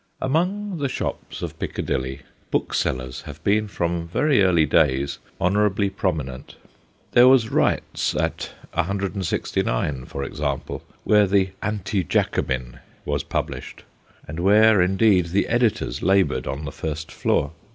Among the shops of Piccadilly, booksellers have been from very early days honourably prominent. There was Wright's at 169, for example, where the Anti Jacobin was published, and where, indeed, the editors 256 THE GHOSTS OF PICCADILLY laboured on the first floor.